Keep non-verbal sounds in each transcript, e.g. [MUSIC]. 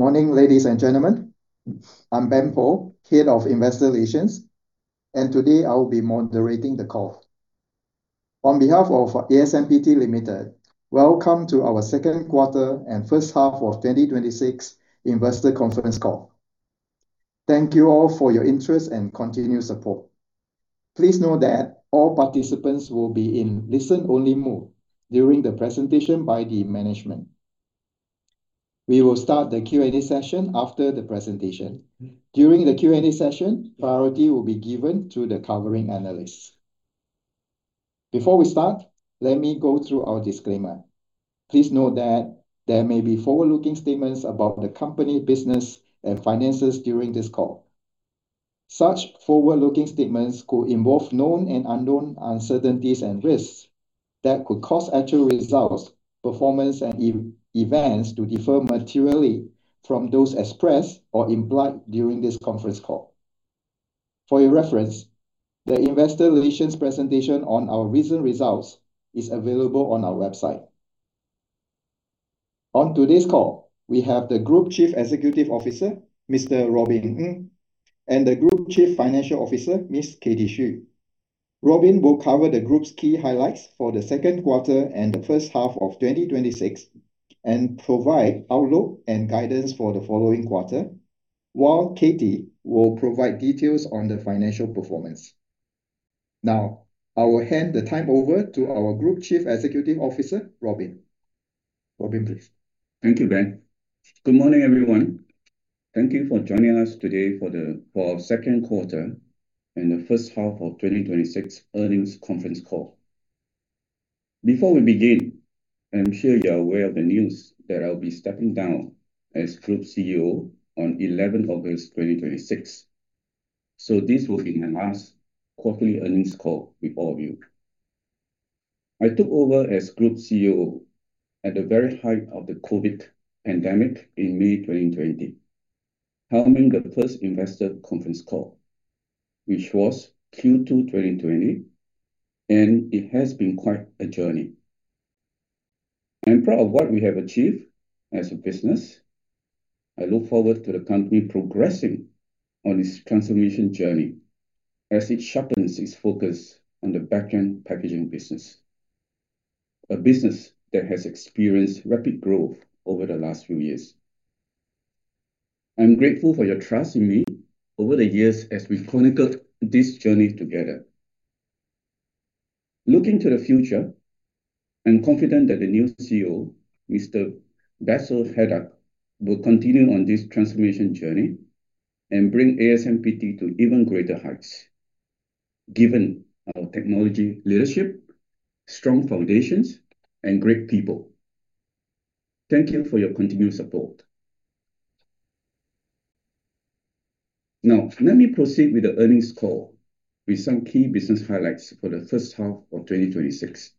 Good morning, ladies and gentlemen. I'm Ben Poh, Head of Investor Relations, and today I will be moderating the call. On behalf of ASMPT Limited, welcome to our second quarter and first half of 2026 investor conference call. Thank you all for your interest and continued support. Please note that all participants will be in listen-only mode during the presentation by the management. We will start the Q&A session after the presentation. During the Q&A session, priority will be given to the covering analysts. Before we start, let me go through our disclaimer. Please note that there may be forward-looking statements about the company, business, and finances during this call. Such forward-looking statements could involve known and unknown uncertainties and risks that could cause actual results, performance, and events to differ materially from those expressed or implied during this conference call. For your reference, the investor relations presentation on our recent results is available on our website. On today's call, we have the Group Chief Executive Officer, Mr. Robin Ng, and the Group Chief Financial Officer, Ms. Katie Xu. Robin will cover the group's key highlights for the second quarter and the first half of 2026 and provide outlook and guidance for the following quarter, while Katie will provide details on the financial performance. Now, I will hand the time over to our Group Chief Executive Officer, Robin. Robin, please. Thank you, Ben. Good morning, everyone. Thank you for joining us today for our second quarter and the first half of 2026 earnings conference call. Before we begin, I'm sure you're aware of the news that I'll be stepping down as Group CEO on August 11th, 2026. This will be my last quarterly earnings call with all of you. I took over as Group CEO at the very height of the COVID pandemic in May 2020, helming the first investor conference call, which was Q2 2020. It has been quite a journey. I'm proud of what we have achieved as a business. I look forward to the company progressing on its transformation journey as it sharpens its focus on the back-end packaging business, a business that has experienced rapid growth over the last few years. I'm grateful for your trust in me over the years as we've chronicled this journey together. Looking to the future, I'm confident that the new CEO, Mr. Bassel Haddad, will continue on this transformation journey and bring ASMPT to even greater heights, given our technology leadership, strong foundations, and great people. Thank you for your continued support. Now, let me proceed with the earnings call with some key business highlights for the first half of 2026.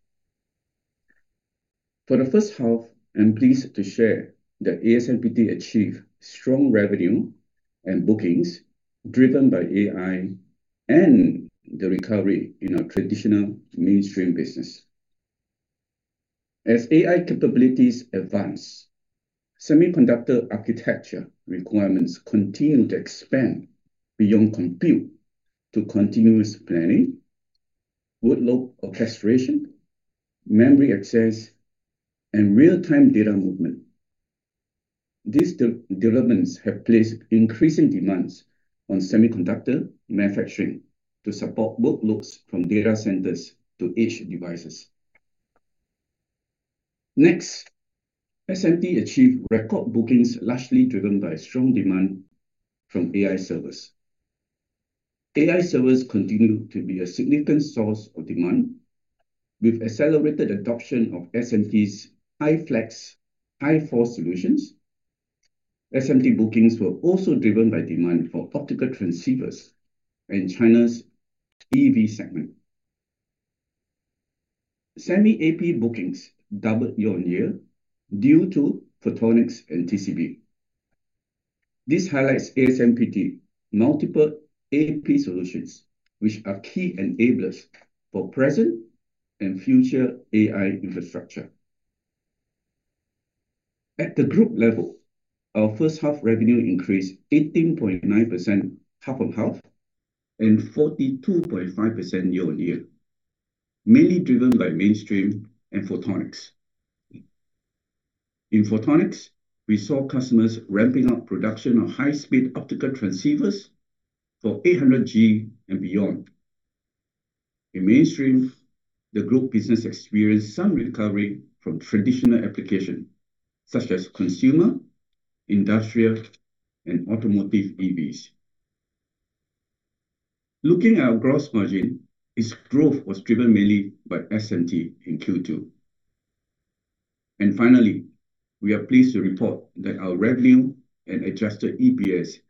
For the first half, I'm pleased to share that ASMPT achieved strong revenue and bookings driven by AI and the recovery in our traditional mainstream business. As AI capabilities advance, semiconductor architecture requirements continue to expand beyond compute to continuous planning, workload orchestration, memory access, and real-time data movement. These developments have placed increasing demands on semiconductor manufacturing to support workloads from data centers to edge devices. SMT achieved record bookings, largely driven by strong demand from AI servers. AI servers continue to be a significant source of demand with accelerated adoption of ASMPT's iFlex, i4 solutions. SMT bookings were also driven by demand for optical transceivers in China's EV segment. Semi-AP bookings doubled year-on-year due to Photonics and TCB. This highlights ASMPT multiple AP solutions, which are key enablers for present and future AI infrastructure. At the group level, our first half revenue increased 18.9% half-on-half and 42.5% year-on-year, mainly driven by mainstream and Photonics. In Photonics, we saw customers ramping up production of high-speed optical transceivers for 800G and beyond. In mainstream, the group business experienced some recovery from traditional applications, such as consumer, industrial, and automotive EVs. Looking at our gross margin, its growth was driven mainly by SMT in Q2. We are pleased to report that our revenue and adjusted EPS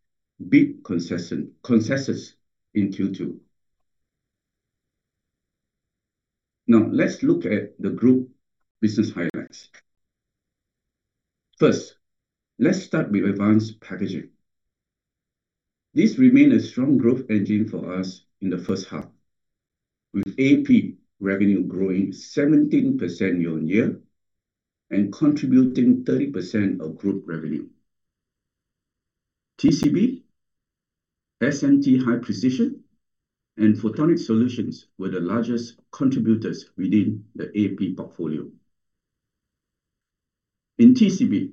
beat consensus in Q2. Let's look at the group business highlights. Let's start with advanced packaging. This remained a strong growth engine for us in the first half, with AP revenue growing 17% year-on-year and contributing 30% of group revenue. TCB, SMT high-precision, and photonic solutions were the largest contributors within the AP portfolio. In TCB,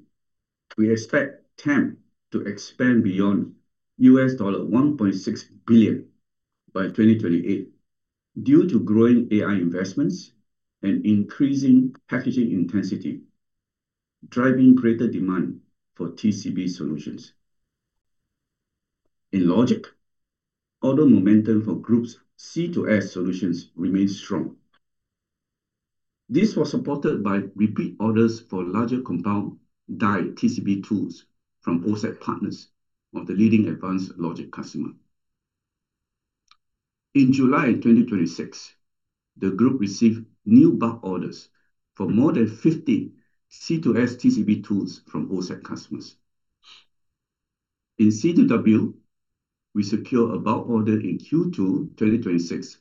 we expect TAM to expand beyond $1.6 billion by 2028 due to growing AI investments and increasing packaging intensity, driving greater demand for TCB solutions. In logic, order momentum for group's C2S solutions remained strong. This was supported by repeat orders for larger compound die TCB tools from OSAT partners of the leading advanced logic customer. In July 2026, the group received new bulk orders for more than 50 C2S TCB tools from OSAT customers. In C2W, we secure a bulk order in Q2 2026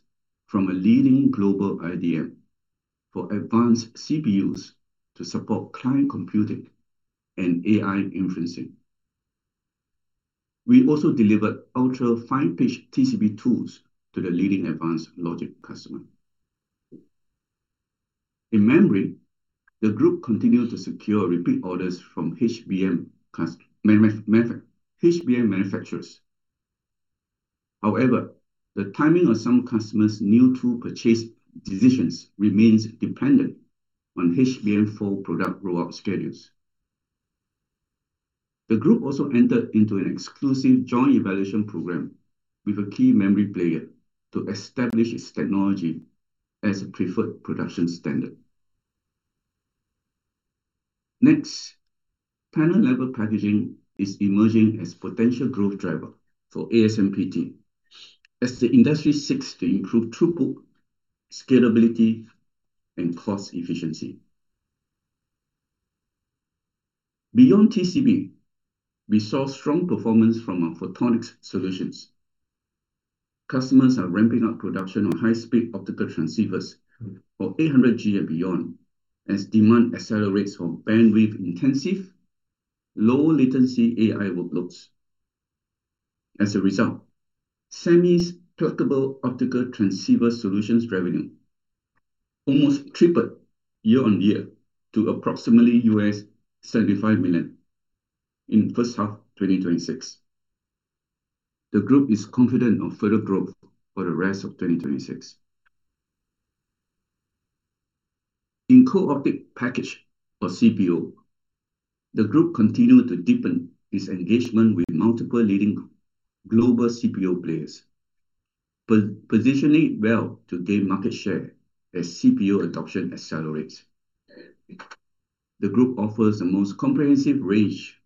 from a leading global IDM for advanced CPUs to support client computing and AI inferencing. We also delivered ultra-fine-pitch TCB tools to the leading advanced logic customer. In memory, the group continued to secure repeat orders from HBM manufacturers. The timing of some customers' new tool purchase decisions remains dependent on HBM4 product rollout schedules. The group also entered into an exclusive joint evaluation program with a key memory player to establish its technology as a preferred production standard. Panel-level packaging is emerging as potential growth driver for ASMPT as the industry seeks to improve throughput, scalability, and cost efficiency. Beyond TCB, we saw strong performance from our Photonics solutions. Customers are ramping up production on high-speed optical transceivers for 800G and beyond as demand accelerates from bandwidth-intensive, low-latency AI workloads. As a result, SEMI's pluggable optical transceiver solutions revenue almost tripled year-on-year to approximately $75 million in first half 2026. The group is confident of further growth for the rest of 2026. In co-packaged optics or CPO, the group continued to deepen its engagement with multiple leading global CPO players, positioning well to gain market share as CPO adoption accelerates. The group offers the most comprehensive range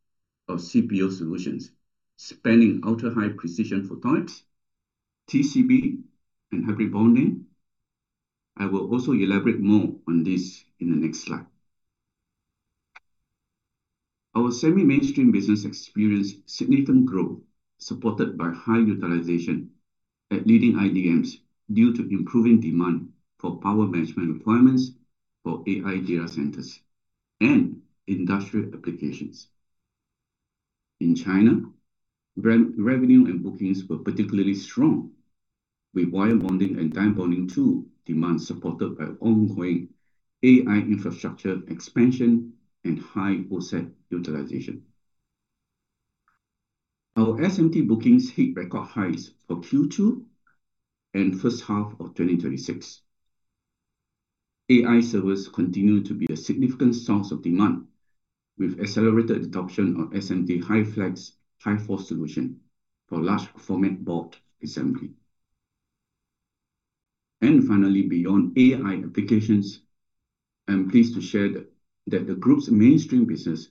of CPO solutions, spanning ultra-high-precision Photonics, TCB and hybrid bonding. I will also elaborate more on this in the next slide. Our semi-mainstream business experienced significant growth, supported by high utilization at leading IDMs due to improving demand for power management requirements for AI data centers and industrial applications. In China, revenue and bookings were particularly strong with wire bonding and die bonding tool demand supported by ongoing AI infrastructure expansion and high OSAT utilization. Our SMT bookings hit record highs for Q2 and first half of 2026. AI servers continue to be a significant source of demand with accelerated adoption of SMT high flex high force solution for large format board assembly. Finally, beyond AI applications, I'm pleased to share that the group's mainstream business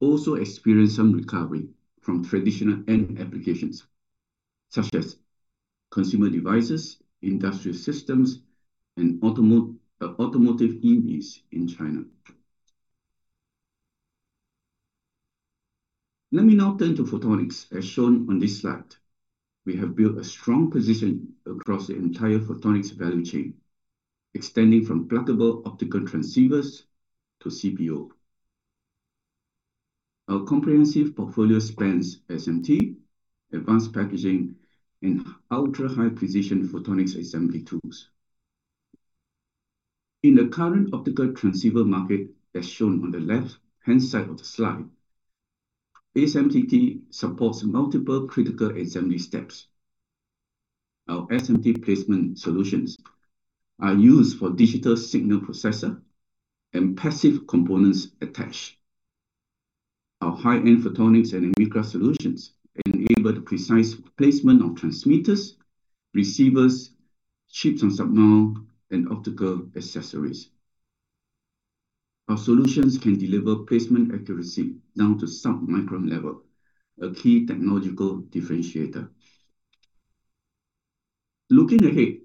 also experienced some recovery from traditional end applications such as consumer devices, industrial systems, and automotive EVs in China. Let me now turn to photonics, as shown on this slide. We have built a strong position across the entire photonics value chain, extending from pluggable optical transceivers to CPO. Our comprehensive portfolio spans SMT, advanced packaging, and ultra-high precision photonics assembly tools. In the current optical transceiver market, as shown on the left-hand side of the slide, ASMPT supports multiple critical assembly steps. Our SMT placement solutions are used for digital signal processor and passive components attached. Our high-end photonics and AMICRA solutions enable the precise placement of transmitters, receivers, chips and submount, and optical accessories. Our solutions can deliver placement accuracy down to submicron level, a key technological differentiator. Looking ahead,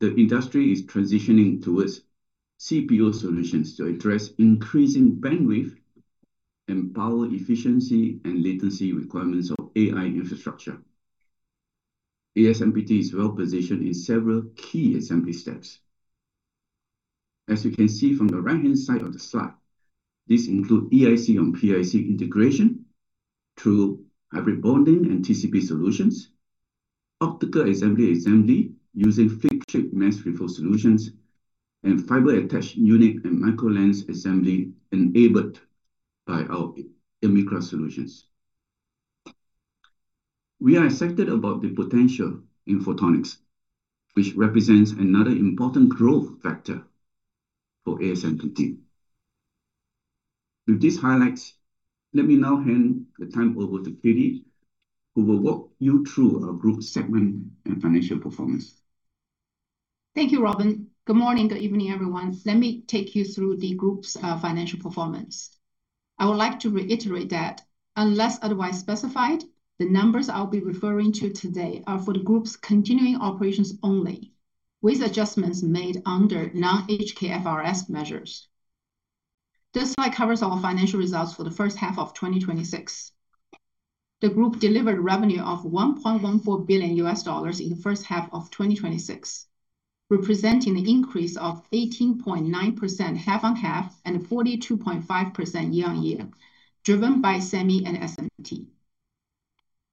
the industry is transitioning towards CPO solutions to address increasing bandwidth and power efficiency and latency requirements of AI infrastructure. ASMPT is well-positioned in several key assembly steps. As you can see from the right-hand side of the slide, this includes EIC and PIC integration through hybrid bonding and TCB solutions, optical assembly using flip chip mass reflow solutions, and fiber attached unique and micro lens assembly enabled by our AMICRA solutions. We are excited about the potential in photonics, which represents another important growth factor for ASMPT. With these highlights, let me now hand the time over to Katie, who will walk you through our group segment and financial performance. Thank you, Robin. Good morning, good evening, everyone. Let me take you through the group's financial performance. I would like to reiterate that unless otherwise specified, the numbers I'll be referring to today are for the group's continuing operations only, with adjustments made under non-HKFRS measures. This slide covers our financial results for the first half of 2026. The group delivered revenue of $1.14 billion in the first half of 2026, representing an increase of 18.9% half-on-half and 42.5% year-on-year, driven by SEMI and SMT.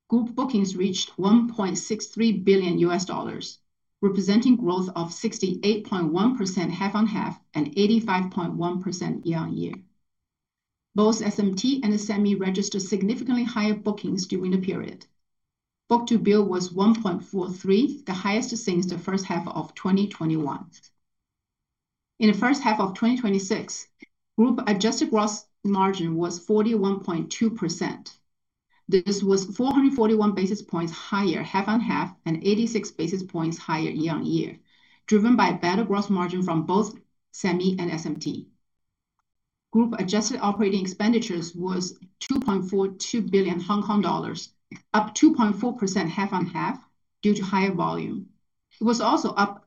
Group bookings reached $1.63 billion, representing growth of 68.1% half-on-half and 85.1% year-on-year. Both SMT and SEMI registered significantly higher bookings during the period. Book-to-bill was 1.43, the highest since the first half of 2021. In the first half of 2026, group-adjusted gross margin was 41.2%. This was 441 basis points higher half-on-half and 86 basis points higher year-on-year, driven by better gross margin from both SEMI and SMT. Group-adjusted operating expenditures was 2.42 billion Hong Kong dollars, up 2.4% half-on-half due to higher volume. It was also up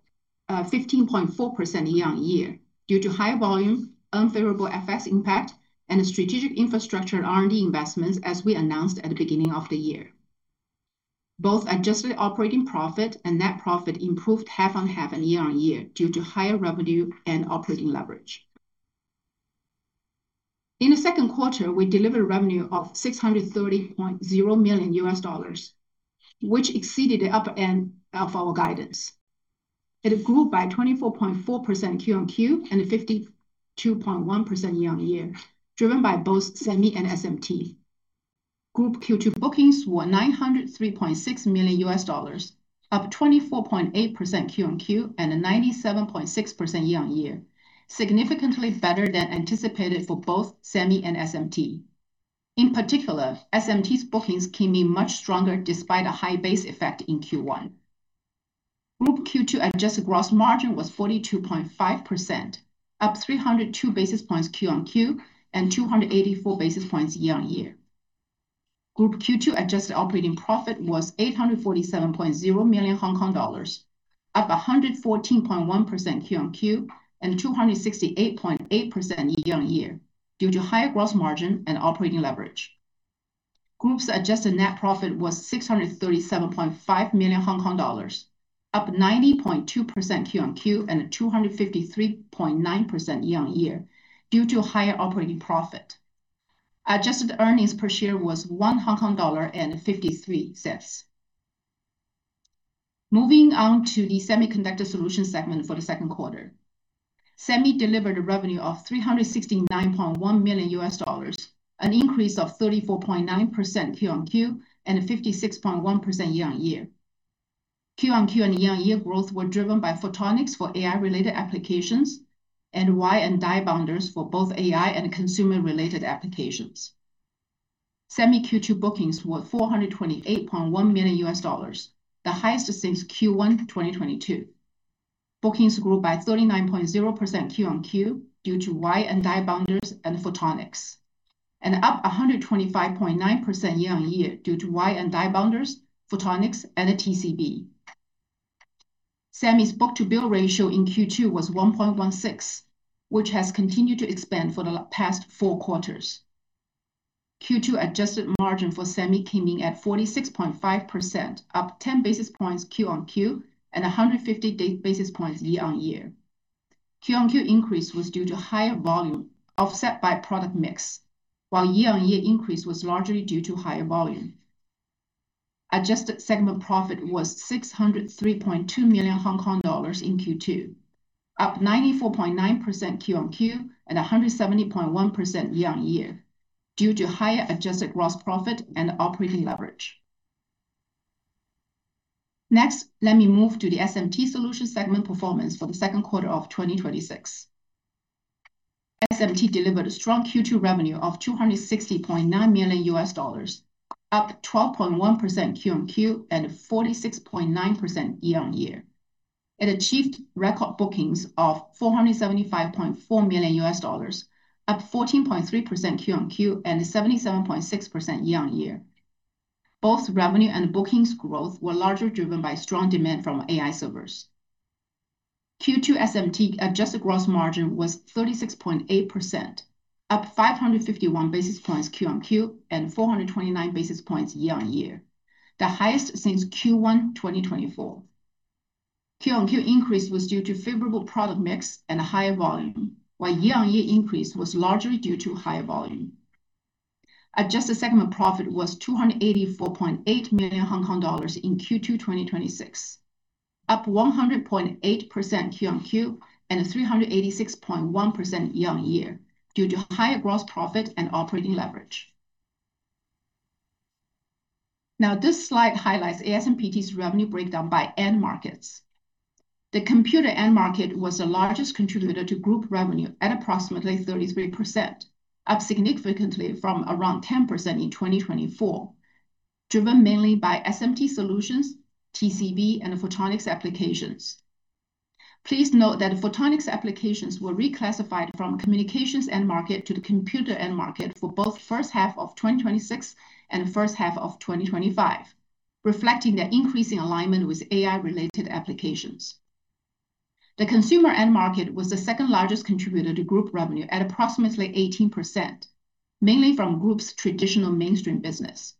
15.4% year-on-year due to higher volume, unfavorable FX impact, and strategic infrastructure R&D investments as we announced at the beginning of the year. Both adjusted operating profit and net profit improved half-on-half and year-on-year due to higher revenue and operating leverage. In the second quarter, we delivered revenue of $630.0 million, which exceeded the upper end of our guidance. It grew by 24.4% QoQ and 52.1% year-on-year, driven by both SEMI and SMT. Group Q2 bookings were $903.6 million, up 24.8% QoQ and 97.6% year-on-year, significantly better than anticipated for both SEMI and SMT. SMT's bookings came in much stronger despite a high base effect in Q1. Group Q2 adjusted gross margin was 42.5%, up 302 basis points QoQ and 284 basis points year-on-year. Group Q2 adjusted operating profit was 847.0 million Hong Kong dollars, up 114.1% QoQ and 268.8% year-on-year due to higher gross margin and operating leverage. Group's adjusted net profit was 637.5 million Hong Kong dollars, up 90.2% QoQ and 253.9% year-on-year due to higher operating profit. Adjusted EPS was 1.53 Hong Kong dollar. Moving on to the Semi solution segment for the second quarter. Semi delivered a revenue of $369.1 million USD, an increase of 34.9% QoQ and 56.1% year-on-year. QoQ and year-on-year growth were driven by photonics for AI-related applications and wire and die bonders for both AI and consumer-related applications. Semi Q2 bookings were $428.1 million USD, the highest since Q1 2022. Bookings grew by 39.0% QoQ due to wire and die bonders and photonics, and up 125.9% year-on-year due to wire and die bonders, photonics and TCB. Semi's book-to-bill ratio in Q2 was 1.16, which has continued to expand for the past four quarters. Q2 adjusted margin for Semi came in at 46.5%, up 10 basis points QoQ and 150 basis points year-on-year. QoQ increase was due to higher volume offset by product mix, while year-on-year increase was largely due to higher volume. Adjusted segment profit was 603.2 million Hong Kong dollars in Q2, up 94.9% QoQ and 170.1% year-on-year due to higher adjusted gross profit and operating leverage. Let me move to the SMT solution segment performance for the second quarter of 2026. SMT delivered a strong Q2 revenue of $260.9 million USD, up 12.1% QoQ and 46.9% year-on-year. It achieved record bookings of $475.4 million USD, up 14.3% QoQ and 77.6% year-on-year. Both revenue and bookings growth were largely driven by strong demand from AI servers. Q2 SMT adjusted gross margin was 36.8%, up 551 basis points QoQ and 429 basis points year-on-year, the highest since Q1 2024. QoQ increase was due to favorable product mix and higher volume, while year-on-year increase was largely due to higher volume. Adjusted segment profit was 284.8 million Hong Kong dollars in Q2 2026, up 100.8% QoQ and 386.1% year-on-year due to higher gross profit and operating leverage. This slide highlights ASMPT's revenue breakdown by end markets. The computer end market was the largest contributor to group revenue at approximately 33%, up significantly from around 10% in 2024, driven mainly by SMT solutions, TCB, and photonics applications. Please note that photonics applications were reclassified from communications end market to the computer end market for both first half of 2026 and first half of 2025, reflecting their increasing alignment with AI-related applications. The consumer end market was the second-largest contributor to group revenue at approximately 18%, mainly from group's traditional mainstream business.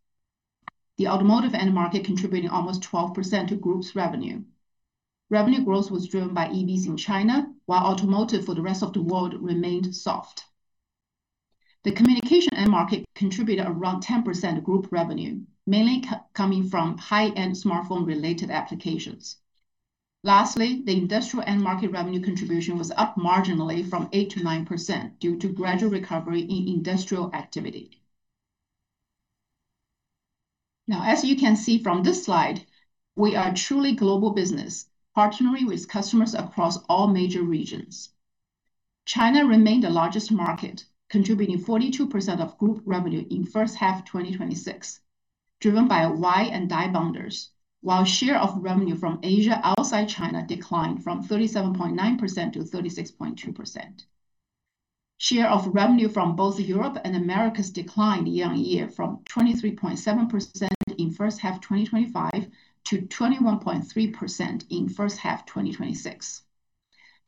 The automotive end market contributing almost 12% to group's revenue. Revenue growth was driven by EVs in China, while automotive for the rest of the world remained soft. The communication end market contributed around 10% group revenue, mainly coming from high-end smartphone-related applications. The industrial end market revenue contribution was up marginally from 8%-9% due to gradual recovery in industrial activity. As you can see from this slide, we are truly global business, partnering with customers across all major regions. China remained the largest market, contributing 42% of group revenue in first half 2026, driven by wire and die bonders, while share of revenue from Asia outside China declined from 37.9%-36.2%. Share of revenue from both Europe and Americas declined year-on-year from 23.7% in first half 2025 to 21.3% in first half 2026.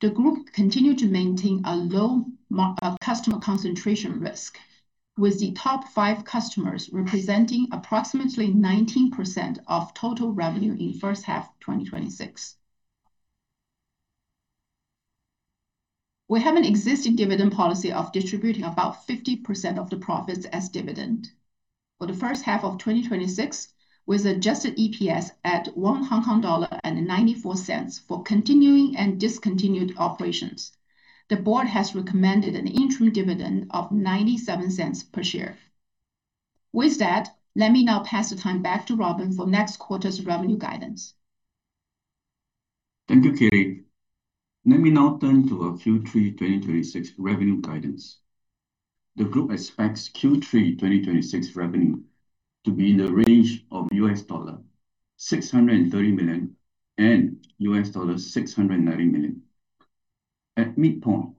The group continued to maintain a low customer concentration risk, with the top five customers representing approximately 19% of total revenue in first half 2026. We have an existing dividend policy of distributing about 50% of the profits as dividend. For the first half of 2026, with adjusted EPS at 1.94 Hong Kong dollar for continuing and discontinued operations, the board has recommended an interim dividend of 0.97 per share. Let me now pass the time back to Robin for next quarter's revenue guidance. Thank you, Katie. Let me now turn to our Q3 2026 revenue guidance. The group expects Q3 2026 revenue to be in the range of $630 million and $690 million. At midpoint,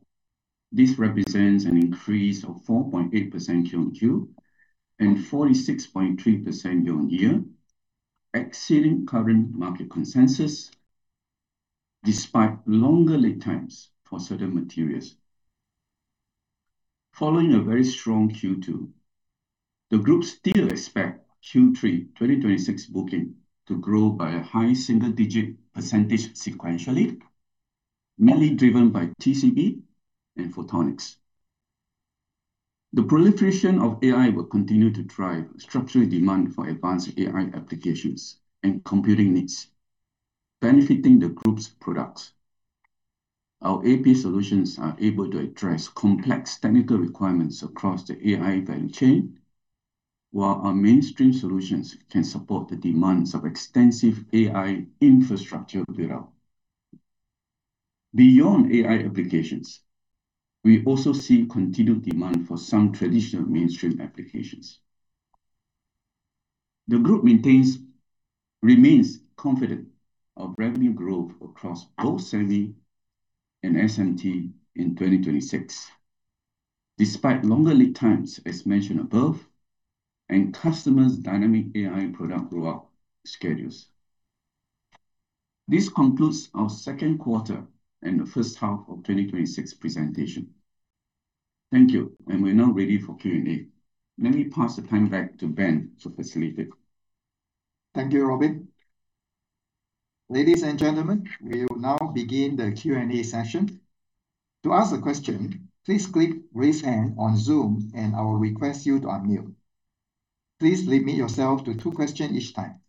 this represents an increase of 4.8% QoQ and 46.3% year-on-year, exceeding current market consensus despite longer lead times for certain materials. Following a very strong Q2, the group still expect Q3 2026 booking to grow by a high single-digit percentage sequentially, mainly driven by TCB and photonics. The proliferation of AI will continue to drive structural demand for advanced AI applications and computing needs, benefiting the group's products. Our AP solutions are able to address complex technical requirements across the AI value chain, while our mainstream solutions can support the demands of extensive AI infrastructure build-out. Beyond AI applications, we also see continued demand for some traditional mainstream applications. The group remains confident of revenue growth across both SEMI and SMT in 2026, despite longer lead times, as mentioned above, and customers' dynamic AI product rollout schedules. This concludes our second quarter and the first half of 2026 presentation. Thank you. We are now ready for Q&A. Let me pass the time back to Ben to facilitate. Thank you, Robin. Ladies and gentlemen, we will now begin the Q&A session. To ask a question, please click raise hand on Zoom, and I will request you to unmute. Please limit yourself to two questions each time.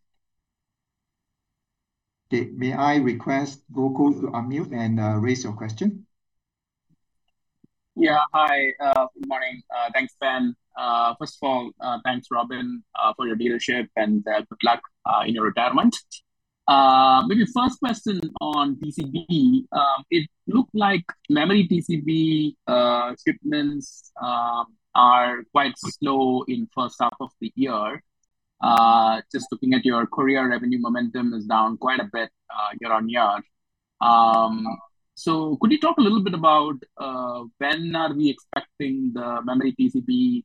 Okay, may I request Gokul to unmute and raise your question? Hi, good morning. Thanks, Ben. First of all, thanks, Robin, for your leadership, and good luck in your retirement. Maybe first question on TCB. It looked like memory TCB shipments are quite slow in first half of the year. Just looking at your Korea revenue momentum is down quite a bit year-on-year. Could you talk a little bit about when are we expecting the memory TCB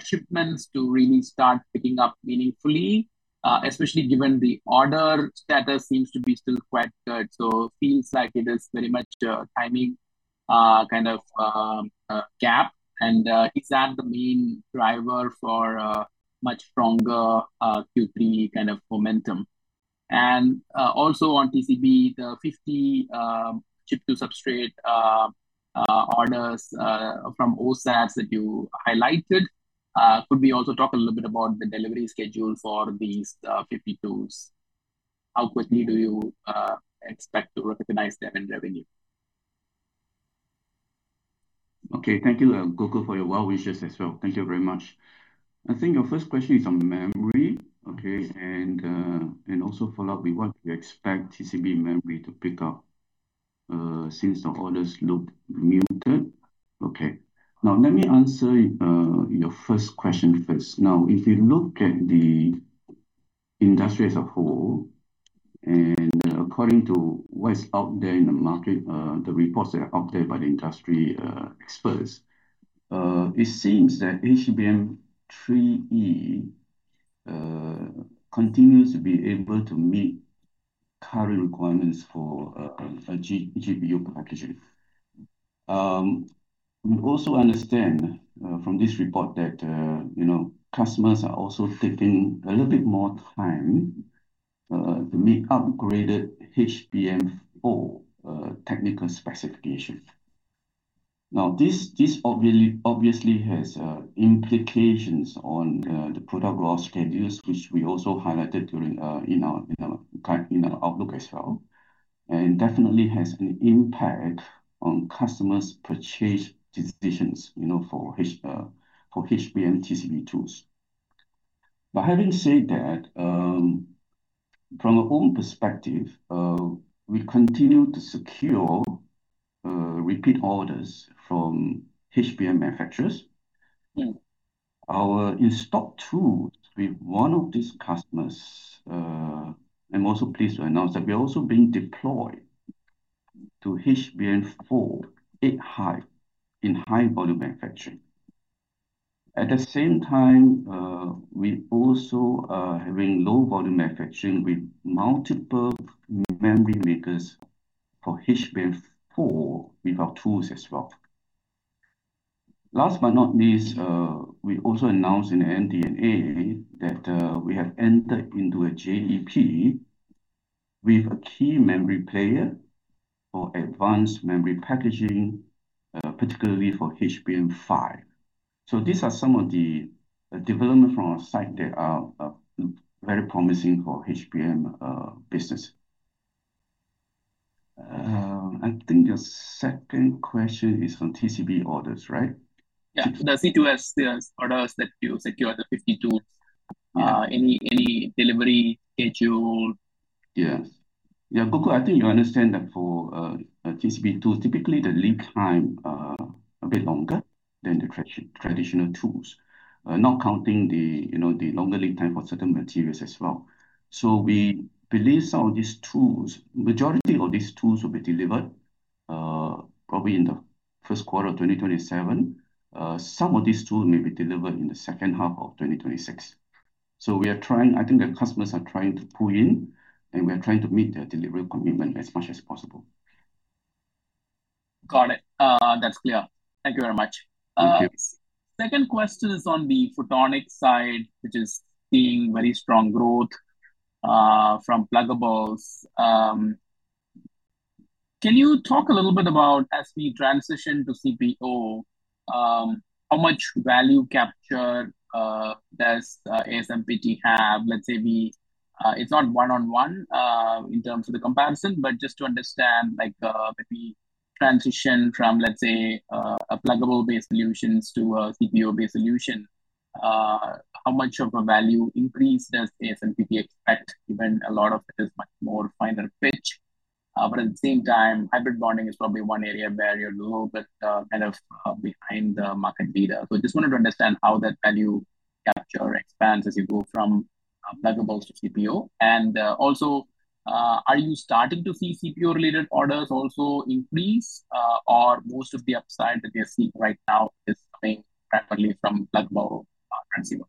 shipments to really start picking up meaningfully, especially given the order status seems to be still quite good. Feels like it is very much a timing, kind of gap. Is that the main driver for much stronger Q3 kind of momentum? Also, on TCB, the 50 chip-to-substrate orders from OSATs that you highlighted. Could we also talk a little bit about the delivery schedule for these C2S? How quickly do you expect to recognize them in revenue? Thank you, Gokul, for your well wishes as well. Thank you very much. I think your first question is on memory. Also follow up with what we expect TCB memory to pick up, since the orders look muted. Let me answer your first question first. If you look at the industry as a whole, according to what is out there in the market, the reports that are out there by the industry experts, it seems that HBM3E continues to be able to meet current requirements for a GPU packaging. We also understand from this report that customers are also taking a little bit more time to meet upgraded HBM4 technical specification. This obviously has implications on the product growth schedules, which we also highlighted in our outlook as well, and definitely has an impact on customers' purchase decisions, for HBM TCB tools. Having said that, from our own perspective, we continue to secure repeat orders from HBM manufacturers. Our in-stock tools with one of these customers, I'm also pleased to announce that we're also being deployed to HBM4 in high volume manufacturing. At the same time, we also are having low volume manufacturing with multiple memory makers for HBM4 with our tools as well. Last but not least, we also announced in the MD&A that we have entered into a JEP with a key memory player for advanced memory packaging, particularly for HBM5. These are some of the development from our side that are very promising for HBM business. I think your second question is on TCB orders, right? Yeah. Does it do as orders that you secure the C2S? Any delivery schedule? Yes, Gokul, I think you understand that for TCB tools, typically the lead time a bit longer than the traditional tools, not counting the longer lead time for certain materials as well. We believe some of these tools, majority of these tools will be delivered probably in the first quarter of 2027. Some of these tools may be delivered in the second half of 2026. We are trying, I think the customers are trying to pull in, and we are trying to meet their delivery commitment as much as possible. Got it. That's clear. Thank you very much. Thank you. Second question is on the photonic side, which is seeing very strong growth from pluggables. Can you talk a little bit about, as we transition to CPO, how much value capture does ASMPT have? Let's say it's not one-on-one, in terms of the comparison, but just to understand, like, if we transition from, let's say, a pluggable-based solutions to a CPO-based solution, how much of a value increase does ASMPT expect, given a lot of it is much more finer pitch. At the same time, hybrid bonding is probably one area where you're a little bit, kind of, behind the market leader. Just wanted to understand how that value capture expands as you go from pluggables to CPO. Also, are you starting to see CPO-related orders also increase? Or most of the upside that we are seeing right now is coming primarily from pluggable transceiver.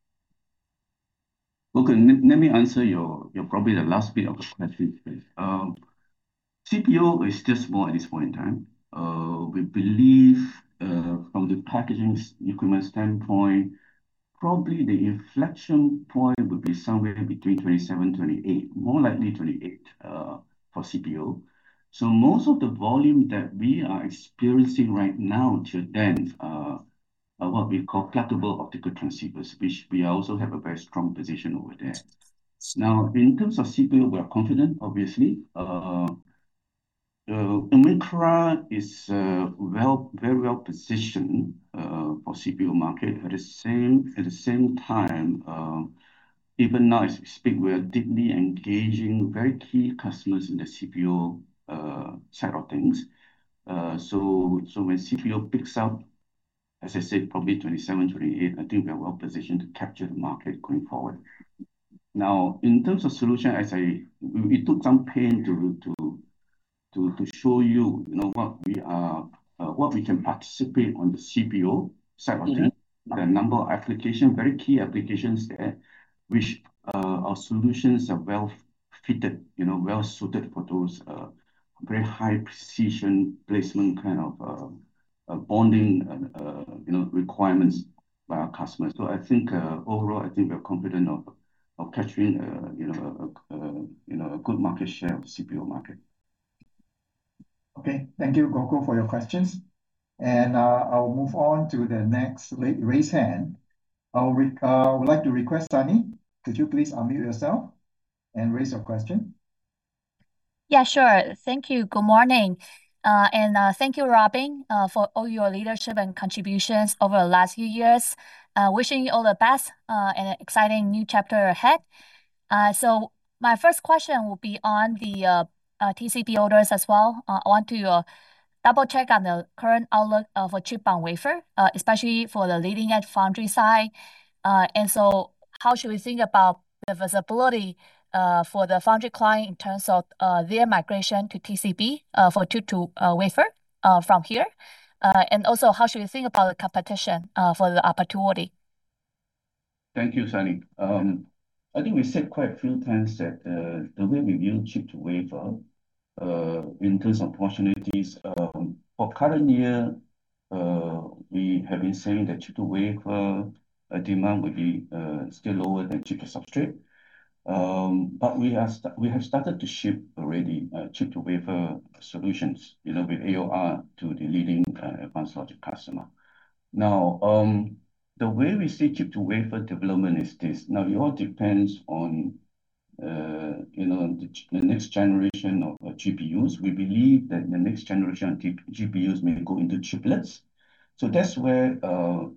Okay, let me answer your, probably the last bit of the question first. CPO is just small at this point in time. We believe, from the packaging equipment standpoint, probably the inflection point will be somewhere between 2027-2028, more likely 2028, for CPO. Most of the volume that we are experiencing right now to then, what we call pluggable optical transceivers, which we also have a very strong position over there. In terms of CPO, we are confident, obviously. AMICRA is very well-positioned for CPO market. At the same time, even now as we speak, we are deeply engaging very key customers in the CPO side of things. When CPO picks up. As I said, probably 2027-2028, I think we are well-positioned to capture the market going forward. In terms of solution, we took some pain to show you what we can participate on the CPO side of things. The number of applications, very key applications there, which our solutions are well-suited for those very high-precision placement kind of bonding requirements by our customers. I think overall, I think we are confident of capturing a good market share of CPO market. Okay. Thank you, Gokul, for your questions. I will move on to the next raised hand. I would like to request Sunny, could you please unmute yourself and raise your question? Yeah, sure. Thank you. Good morning. Thank you, Robin, for all your leadership and contributions over the last few years. Wishing you all the best in an exciting new chapter ahead. My first question will be on the TCB orders as well. I want to double-check on the current outlook of a chip-on-wafer, especially for the leading-edge foundry side. How should we think about the visibility for the foundry client in terms of their migration to TCB, wafer from here? How should we think about the competition for the opportunity? Thank you, Sunny. I think we said quite a few times that the way we view chip-to-wafer, in terms of opportunities, for current year, we have been saying that chip-to-wafer demand will be still lower than chip-to-substrate. We have started to ship already chip-to-wafer solutions, with AOR to the leading advanced logic customer. The way we see chip-to-wafer development is this. It all depends on the next generation of GPUs. We believe that the next generation of GPUs may go into chiplets. That's where our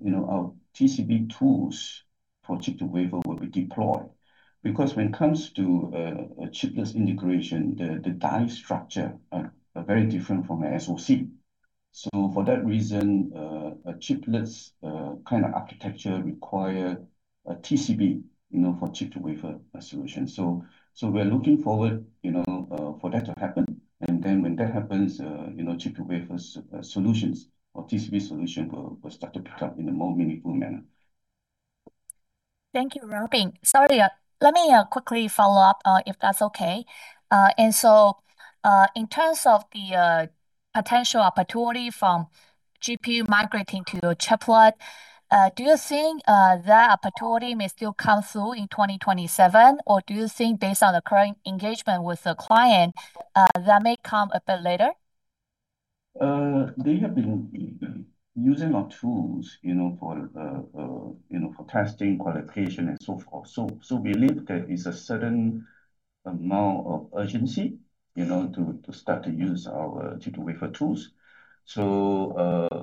TCB tools for chip-to-wafer will be deployed. Because when it comes to a chiplets integration, the die structure are very different from an SoC. For that reason, a chiplets kind of architecture require a TCB for chip-to-wafer solution. We're looking forward for that to happen. When that happens, chip-to-wafer solutions or TCB solution will start to pick up in a more meaningful manner. Thank you, Robin. Sorry, let me quickly follow up, if that's okay. In terms of the potential opportunity from GPU migrating to a chiplet, do you think that opportunity may still come through in 2027? Or do you think based on the current engagement with the client, that may come a bit later? They have been using our tools for testing, qualification, and so forth. We believe there is a certain amount of urgency to start to use our chip-to-wafer tools.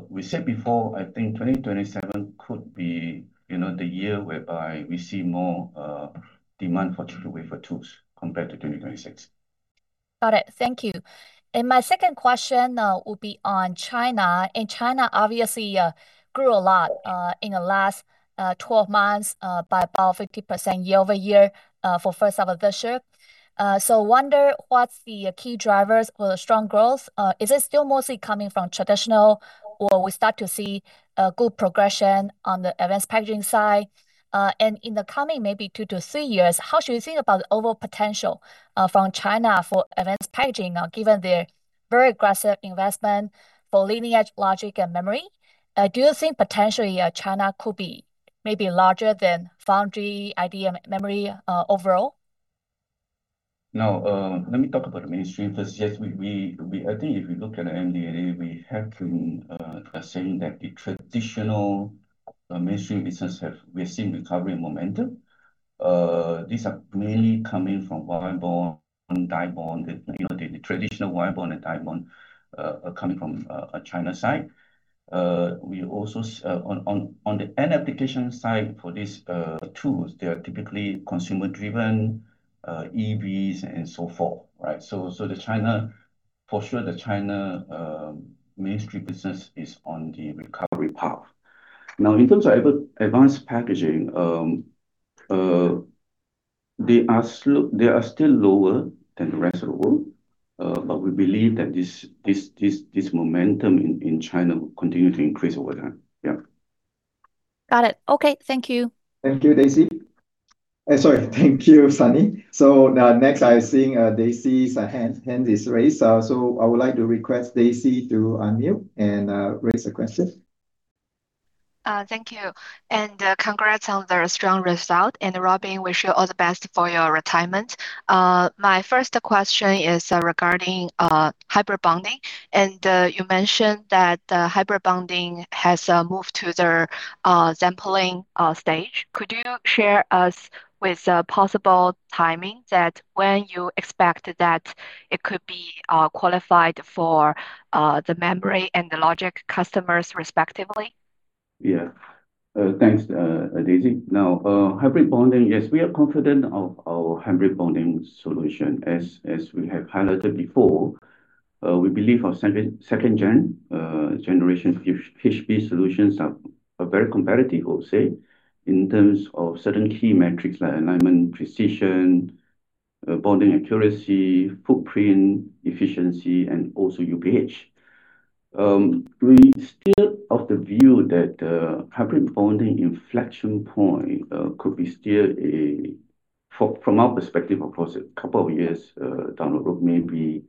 We said before, I think 2027 could be the year whereby we see more demand for chip-to-wafer tools compared to 2026. My second question will be on China. China obviously grew a lot in the last 12 months, by about 50% year-over-year, for first half of this year. Wonder what's the key drivers for the strong growth. Is it still mostly coming from traditional or we start to see a good progression on the advanced packaging side? In the coming maybe two to three years, how should we think about the overall potential from China for advanced packaging now, given their very aggressive investment for leading-edge logic and memory? Do you think potentially China could be maybe larger than foundry IDM memory overall? Let me talk about the mainstream first. Yes, I think if you look at MD&A, we have been saying that the traditional mainstream business, we are seeing recovery momentum. These are mainly coming from wire bond, die bond, the traditional wire bond and die bond are coming from China side. On the end application side for these tools, they are typically consumer driven, EVs and so forth. Right? For sure the China mainstream business is on the recovery path. In terms of advanced packaging, they are still lower than the rest of the world. We believe that this momentum in China will continue to increase over time. Yeah. Got it. Okay. Thank you. Thank you, Daisy. Sorry. Thank you, Sunny. Next, I am seeing, Daisy's hand is raised. I would like to request Daisy to unmute and raise a question. Thank you, congrats on the strong result. Robin, wish you all the best for your retirement. My first question is regarding hybrid bonding. You mentioned that the hybrid bonding has moved to the sampling stage. Could you share us with a possible timing that when you expect that it could be qualified for the memory and the logic customers respectively? Thanks, Daisy. Hybrid bonding, yes, we are confident of our hybrid bonding solution. As we have highlighted before, we believe our second-generation HB solutions are very competitive, I would say, in terms of certain key metrics like alignment precision, bonding accuracy, footprint efficiency, and also UPH. We still of the view that the hybrid bonding inflection point could be still, from our perspective, of course, a couple of years down the road, maybe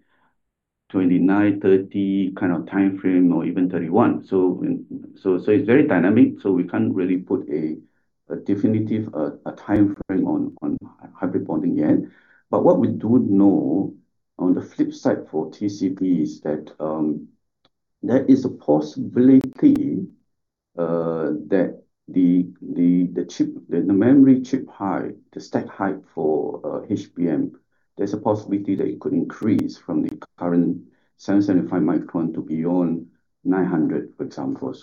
2029, 2030 kind of timeframe, or even 2031. It's very dynamic, so we can't really put a definitive timeframe on hybrid bonding yet. What we do know on the flip side for TCB is that there is a possibility that the memory chip height, the stack height for HBM, there's a possibility that it could increase from the current 775 micron to beyond 900, for example.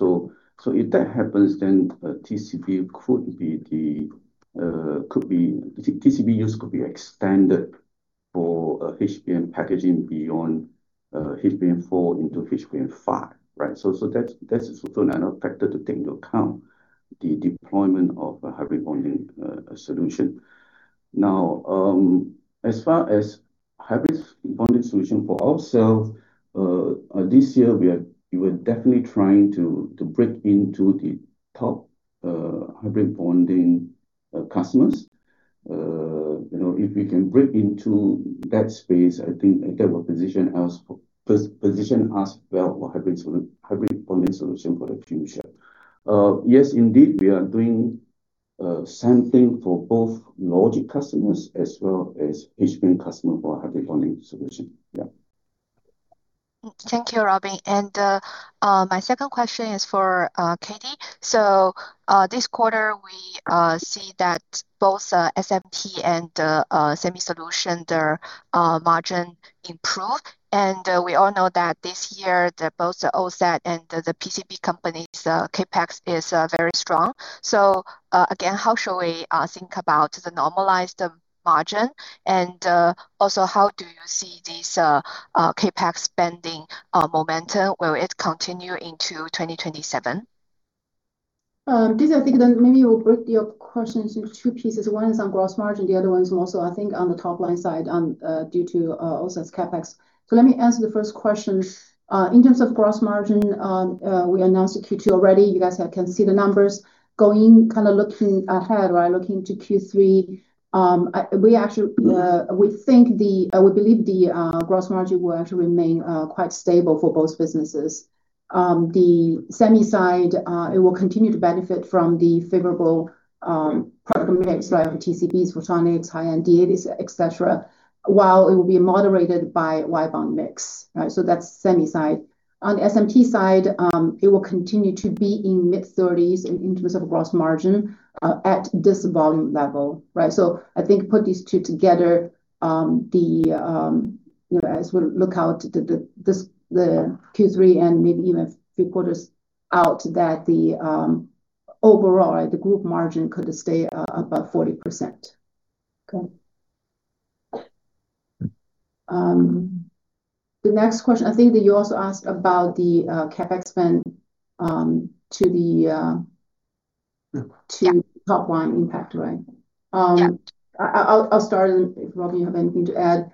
If that happens, then TCB use could be extended for HBM packaging beyond HBM4 into HBM5, right? That's also another factor to take into account the deployment of a hybrid bonding solution. As far as hybrid bonding solution for ourselves, this year we were definitely trying to break into the top hybrid bonding customers. If we can break into that space, I think that will position us well for hybrid bonding solution for the future. Yes, indeed, we are doing same thing for both logic customers as well as HBM customer for hybrid bonding solution. Thank you, Robin. My second question is for Katie. This quarter we see that both SMT and SEMI solution, their margin improved. We all know that this year, both the OSAT and the TCB companies, CapEx is very strong. Again, how should we think about the normalized margin? Also, how do you see this CapEx spending momentum? Will it continue into 2027? Daisy, I think that maybe we'll break your questions into two pieces. One is on gross margin, the other one is more so, I think, on the top-line side due to OSAT's CapEx. Let me answer the first question. In terms of gross margin, we announced the Q2 already. You guys can see the numbers. Looking ahead, looking to Q3, we believe the gross margin will actually remain quite stable for both businesses. The SEMI side, it will continue to benefit from the favorable product mix like TCBs, photonics, high-end D80s, et cetera, while it will be moderated by wideband mix. That's SEMI side. On the SMT side, it will continue to be in mid-30%s in terms of gross margin at this volume level, right? I think put these two together, as we look out to the Q3 and maybe even three quarters out, that the overall group margin could stay above 40%. Go ahead. The next question, I think that you also asked about the CapEx spend to the. [CROSSTALK] Yeah Top-line impact, right? Yeah. I'll start, and if, Robin, you have anything to add.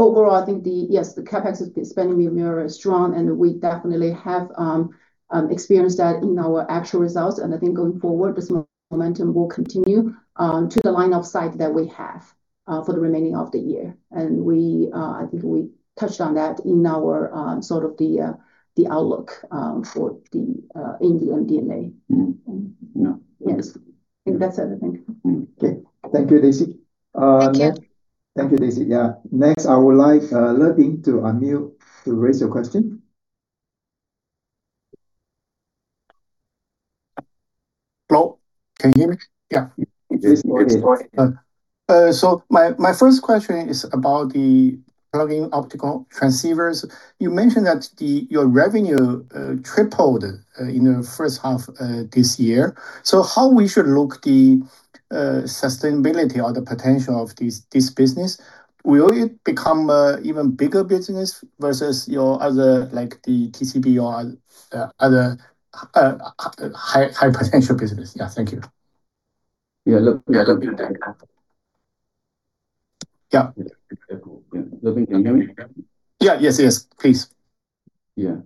Overall, I think yes, the CapEx spending year-over-year is strong, and we definitely have experienced that in our actual results. I think going forward, this momentum will continue to the line of sight that we have for the remaining of the year. I think we touched on that in our sort of the outlook in the MD&A. No. Yes. I think that's everything. Okay. Thank you, Daisy. Thank you, Daisy. Yeah. Next, I would like Leping to unmute to raise your question. Hello. Can you hear me? Yeah. Yes. It's. My first question is about the plug-in optical transceivers. You mentioned that your revenue tripled in the first half this year. How we should look the sustainability or the potential of this business? Will it become even bigger business versus your other, like the TCB or other high potential business? Yeah. Thank you. Yeah, Leping. [AUDIO DISTORTION] Yeah. Leping, can you hear me? Yeah. Yes, please. Yeah.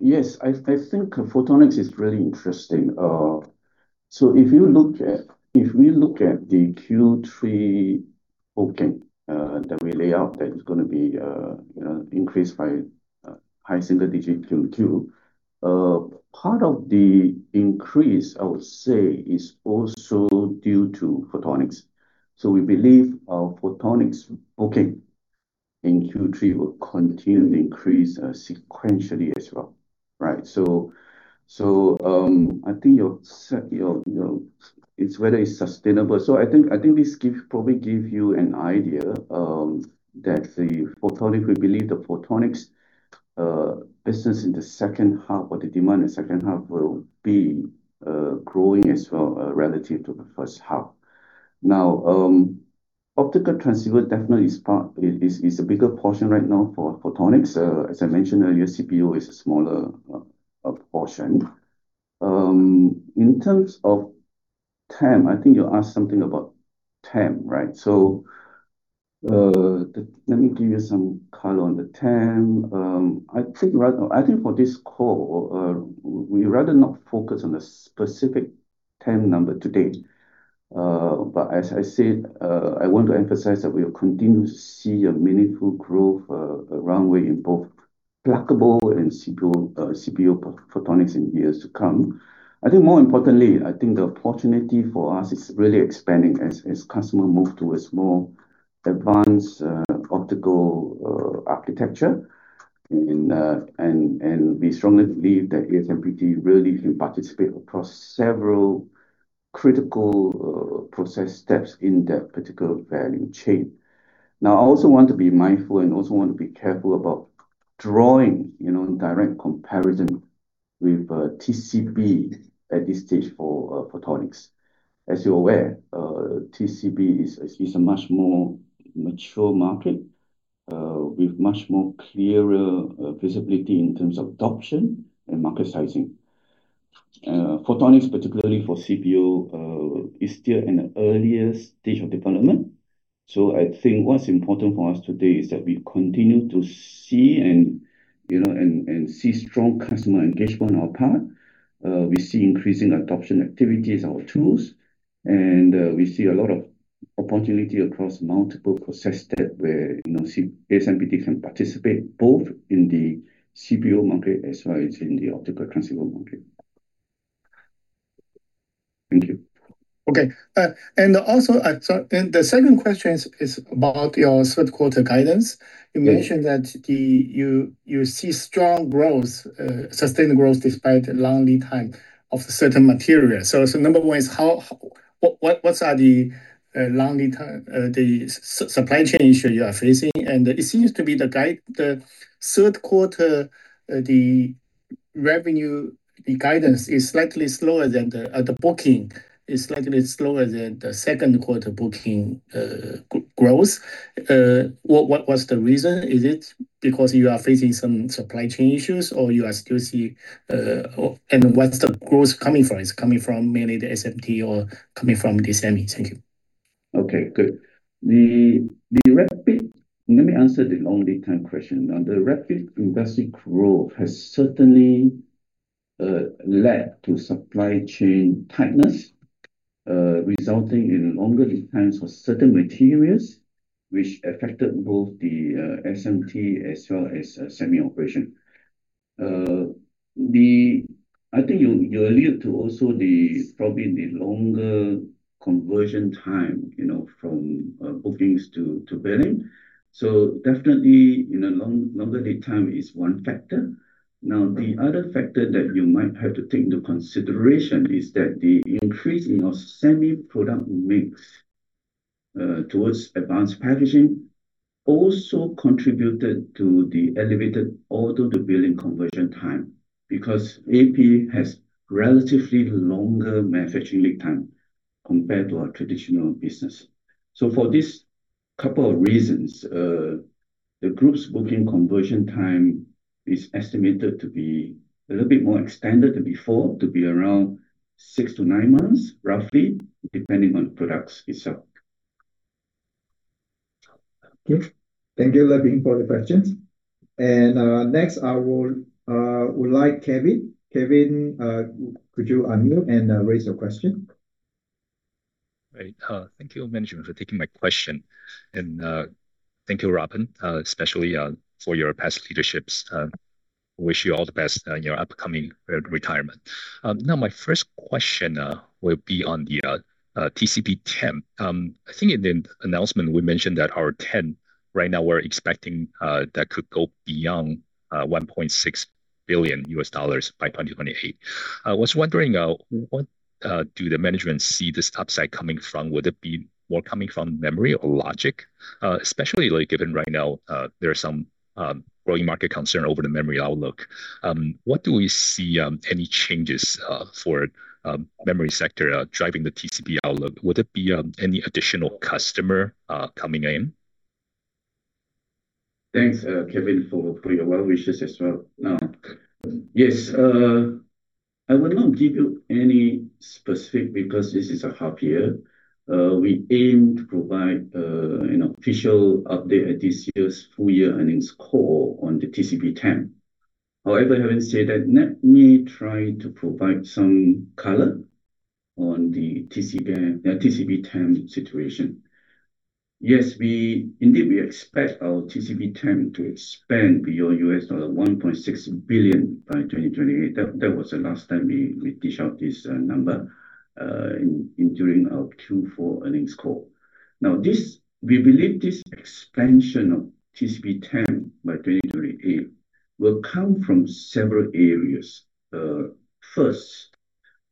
Yes, I think photonics is really interesting. If we look at the Q3 booking that we lay out, that is going to be increased by high single digit QoQ. Part of the increase, I would say, is also due to photonics. We believe our photonics booking in Q3 will continue to increase sequentially as well, right? I think it's whether it's sustainable. I think this probably give you an idea that we believe the photonics business in the second half, or the demand in the second half, will be growing as well relative to the first half. Optical transceiver definitely is a bigger portion right now for photonics. As I mentioned, CPO is a smaller portion. In terms of TAM, I think you asked something about TAM, right? Let me give you some color on the TAM. I think for this call, we'd rather not focus on a specific TAM number today. As I said, I want to emphasize that we'll continue to see a meaningful growth runway in both pluggable and CPO photonics in years to come. I think more importantly, I think the opportunity for us is really expanding as customer move towards more advanced optical architecture. We strongly believe that ASMPT really can participate across several critical process steps in that particular value chain. I also want to be mindful and also want to be careful about drawing direct comparison with TCB at this stage for photonics. As you're aware, TCB is a much more mature market, with much more clearer visibility in terms of adoption and market sizing. Photonics, particularly for CPO, is still in the earliest stage of development. I think what's important for us today is that we continue to see strong customer engagement on our part. We see increasing adoption activities of tools, and we see a lot of opportunity across multiple process step where ASMPT can participate both in the CPO market as well as in the optical transceiver market. Thank you. Okay. The second question is about your third quarter guidance. Yeah. You mentioned that you see strong growth, sustained growth despite long lead time of certain material. Number one is what are the supply chain issue you are facing? It seems to be the third quarter, the revenue, the guidance is slightly slower than the booking, is slightly slower than the second quarter booking growth. What's the reason? Is it because you are facing some supply chain issues, or you are still? What's the growth coming from? It's coming from mainly the SMT or coming from the semi? Thank you. Okay, good. Let me answer the long lead time question. The rapid industry growth has certainly led to supply chain tightness, resulting in longer lead times for certain materials, which affected both the SMT as well as semi operation. I think you allude to also probably the longer conversion time from bookings to billing. Definitely, longer lead time is one factor. The other factor that you might have to take into consideration is that the increase in our semi product mix towards advanced packaging also contributed to the elevated order-to-billing conversion time, because AP has relatively longer manufacturing lead time compared to our traditional business. For these couple of reasons, the group's booking conversion time is estimated to be a little bit more extended than before, to be around six to nine months, roughly, depending on products itself. Okay. Thank you, Leping, for the questions. Next, I would like Kevin. Kevin, could you unmute and raise your question? Great. Thank you, management, for taking my question. Thank you, Robin, especially for your past leaderships. Wish you all the best in your upcoming retirement. My first question will be on the TCB TAM. I think in the announcement we mentioned that our TAM right now, we're expecting that could go beyond $1.6 billion by 2028. I was wondering where do the management see this upside coming from? Would it be more coming from memory or logic? Especially given right now there are some growing market concern over the memory outlook. What do we see any changes for memory sector driving the TCB outlook? Would it be any additional customer coming in? Thanks, Kevin, for your well wishes as well. Yes, I will not give you any specific, because this is a half year. We aim to provide an official update at this year's full year earnings call on the TCB TAM. Having said that, let me try to provide some color on the TCB TAM situation. Yes, indeed we expect our TCB TAM to expand beyond $1.6 billion by 2028. That was the last time we dish out this number during our Q4 earnings call. We believe this expansion of TCB TAM by 2028 will come from several areas. First,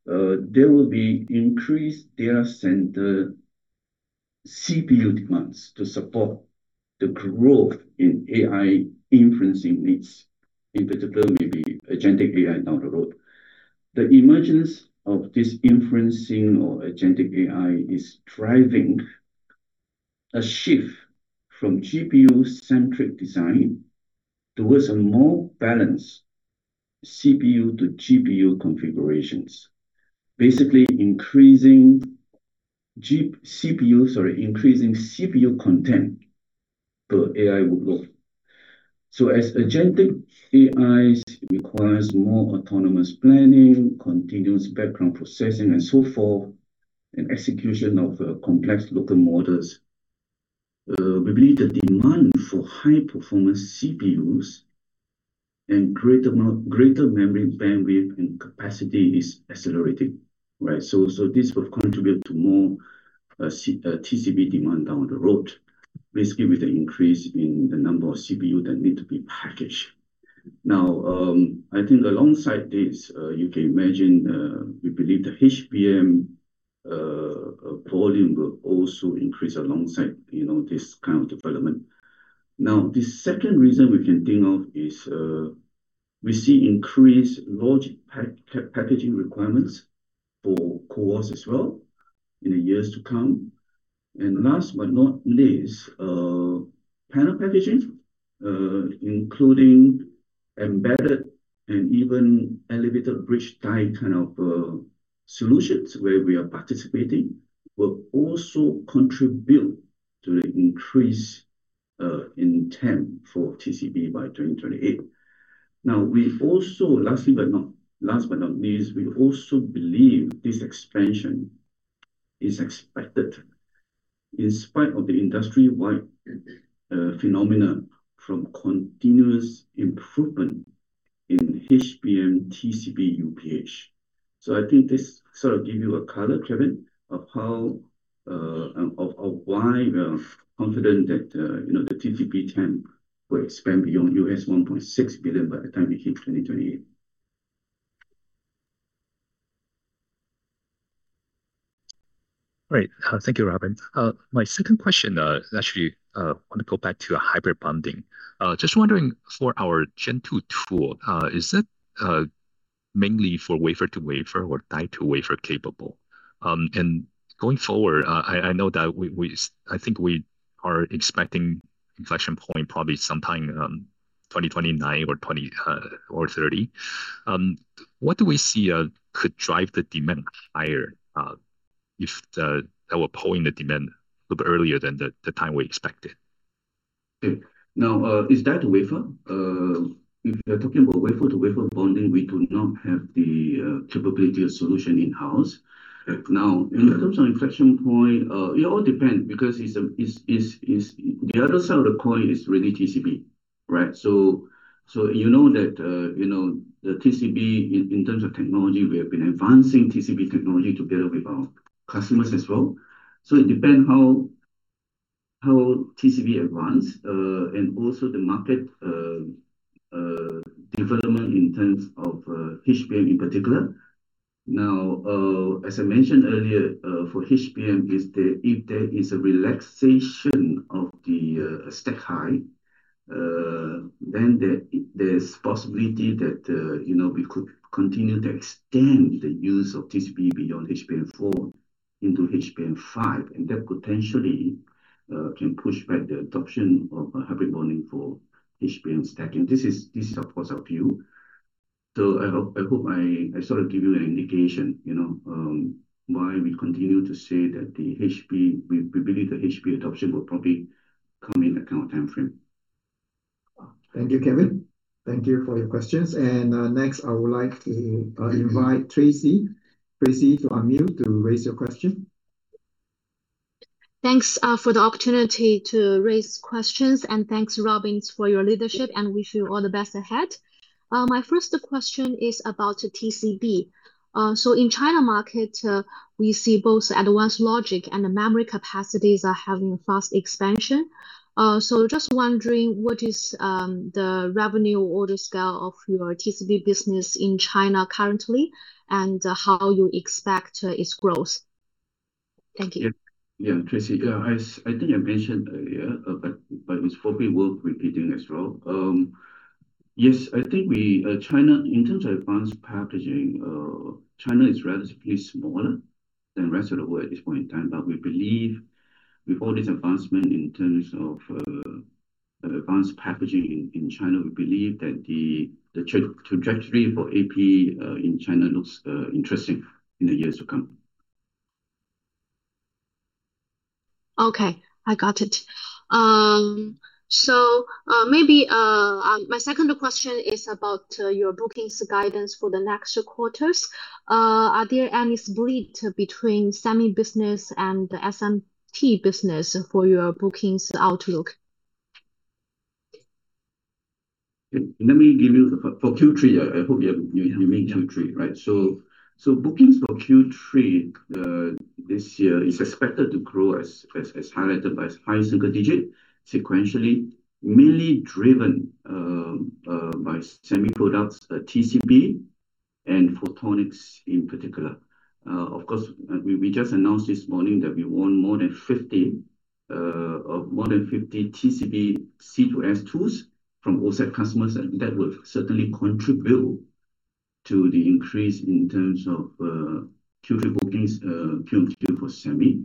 there will be increased data center CPU demands to support the growth in AI inferencing needs, in particular, maybe agentic AI down the road. The emergence of this inferencing or agentic AI is driving a shift from GPU-centric design towards a more balanced CPU to GPU configurations, basically increasing CPU content per AI workload. As agentic AIs requires more autonomous planning, continuous background processing and so forth, and execution of complex local models, we believe the demand for high-performance CPUs and greater memory bandwidth and capacity is accelerating. Right? This will contribute to more TCB demand down the road, basically with the increase in the number of CPU that need to be packaged. I think alongside this, you can imagine, we believe the HBM volume will also increase alongside this kind of development. The second reason we can think of is, we see increased large packaging requirements for cores as well in the years to come. Last but not least, panel packaging, including embedded and even elevated bridge die kind of solutions where we are participating, will also contribute to the increase in TAM for TCB by 2028. We also, last but not least, we also believe this expansion is expected in spite of the industry-wide phenomena from continuous improvement in HBM TCB UPH. I think this sort of give you a color, Kevin, of why we are confident that the TCB TAM will expand beyond $1.6 billion by the time we hit 2028. Great. Thank you, Robin. My second question, actually, I want to go back to hybrid bonding. Just wondering for our Gen 2 tool, is that mainly for wafer-to-wafer or die-to-wafer capable? Going forward, I know that I think we are expecting inflection point probably sometime 2029 or 2030. What do we see could drive the demand higher, if that will pull in the demand a little bit earlier than the time we expected? Okay. Is that wafer? If you're talking about wafer-to-wafer bonding, we do not have the capability or solution in-house. Okay. In terms of inflection point, it all depend because the other side of the coin is really TCB, right? You know that the TCB, in terms of technology, we have been advancing TCB technology together with our customers as well. It depends how TCB advance, and also the market development in terms of HBM in particular. As I mentioned earlier, for HBM, if there is a relaxation of the stack height, then there's possibility that we could continue to extend the use of TCB beyond HBM4 into HBM5, and that potentially, can push back the adoption of a hybrid bonding for HBM stacking. This is a possible view. I hope I sort of give you an indication, you know, why we continue to say that we believe the HBM adoption will probably come in that kind of timeframe. Thank you, Kevin. Thank you for your questions. Next, I would like to invite Tracy. Tracy, to unmute to raise your question. Thanks for the opportunity to raise questions, thanks, Robin, for your leadership, wish you all the best ahead. My first question is about TCB. In China market, we see both advanced logic and the memory capacities are having fast expansion. Just wondering, what is the revenue order scale of your TCB business in China currently, and how you expect its growth? Thank you. Yeah. Tracy, I think I mentioned earlier, but it's probably worth repeating as well. Yes, I think China, in terms of advanced packaging, China is relatively smaller than rest of the world at this point in time. We believe with all this advancement in terms of advanced packaging in China, we believe that the trajectory for AP in China looks interesting in the years to come. Okay. I got it. Maybe my second question is about your bookings guidance for the next quarters. Are there any split between SEMI business and the SMT business for your bookings outlook? Let me give you for Q3. I hope you mean Q3, right? Bookings for Q3 this year is expected to grow, as highlighted, by high single-digit sequentially, mainly driven by Semi products, TCB and photonics in particular. Of course, we just announced this morning that we won more than 50 TCB C2S tools from OSAT customers, and that will certainly contribute to the increase in terms of Q3 bookings QoQ for Semi.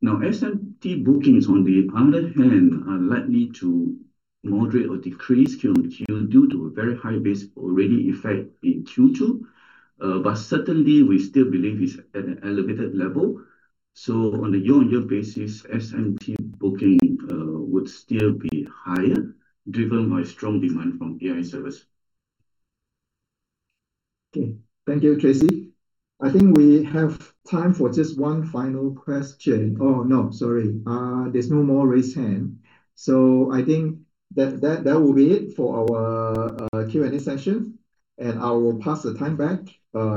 SMT bookings, on the other hand, are likely to moderate or decrease QoQ due to a very high base already effect in Q2. Certainly, we still believe it's at an elevated level. On a year-on-year basis, SMT booking would still be higher, driven by strong demand from AI servers. Okay. Thank you, Tracy. I think we have time for just one final question. Oh, no, sorry. There's no more raised hand. I think that will be it for our Q&A session, and I will pass the time back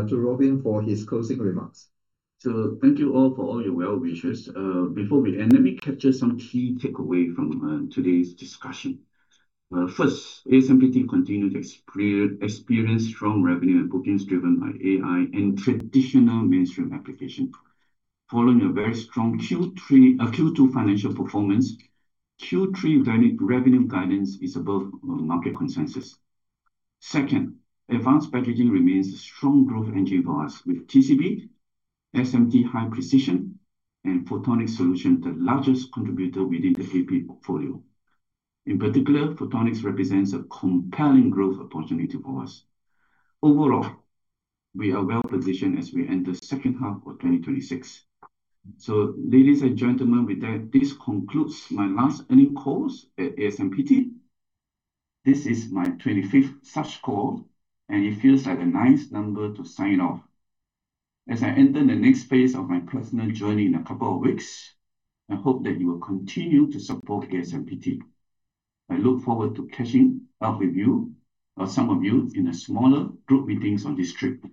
to Robin for his closing remarks. Thank you all for all your well wishes. Before we end, let me capture some key takeaway from today's discussion. First, ASMPT continued to experience strong revenue and bookings driven by AI and traditional mainstream application. Following a very strong Q2 financial performance, Q3 revenue guidance is above market consensus. Second, advanced packaging remains a strong growth engine for us, with TCB, SMT high precision, and photonic solution the largest contributor within the AP portfolio. In particular, photonics represents a compelling growth opportunity for us. Overall, we are well-positioned as we enter second half of 2026. Ladies and gentlemen, with that, this concludes my last earning calls at ASMPT. This is my 25th such call, and it feels like a nice number to sign off. As I enter the next phase of my personal journey in a couple of weeks, I hope that you will continue to support ASMPT. I look forward to catching up with you, or some of you, in a smaller group meetings on this trip.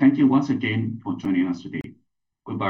Thank you once again for joining us today. Goodbye